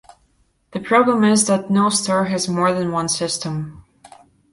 The problem is that no store has more than one system.